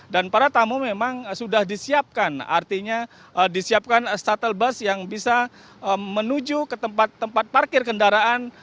dan para tamu memang sudah disiapkan artinya disiapkan shuttle bus yang bisa menuju ke tempat tempat parkir kendaraan